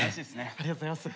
ありがとうございます。